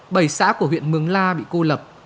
bầy xã của huyện mương la bị cô lập